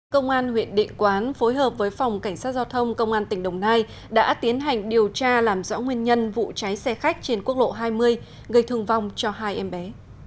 công an huyện định quán phối hợp với phòng cảnh sát giao thông công an tỉnh đồng nai đã tiến hành điều tra làm rõ nguyên nhân vụ cháy xe khách trên quốc lộ hai mươi gây thương vong cho hai em bé